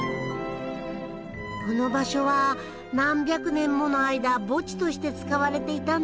この場所は何百年もの間墓地として使われていたんだそうです。